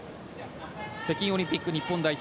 北京オリンピック日本代表